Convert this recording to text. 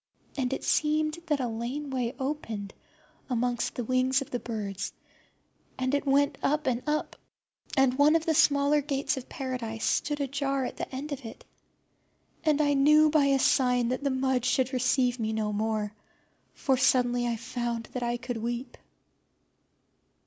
And it seemed that a lane way opened amongst the wings of the birds, and it went up and up, and one of the smaller gates of Paradise stood ajar at the end of it. And then I knew by a sign that the mud should receive me no more, for suddenly I found that I could weep.